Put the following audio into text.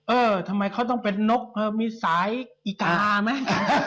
เออทำไมเขาต้องเป็นนกมีสายอีกาไหม